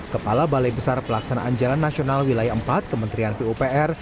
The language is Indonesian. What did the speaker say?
kepala balai besar pelaksanaan jalan nasional wilayah empat kementerian pupr